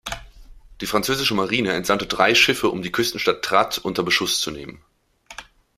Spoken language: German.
Die französische Marine entsandte drei Schiffe, um die Küstenstadt Trat unter Beschuss zu nehmen.